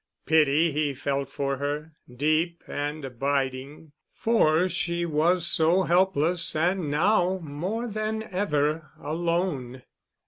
Pity he felt for her, deep and abiding, for she was so helpless and now more than ever alone.